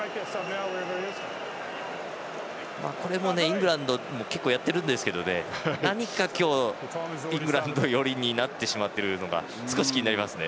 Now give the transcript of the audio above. これもイングランドも結構やっているんですが何か今日、イングランド寄りになってしまっているのが少し気になりますね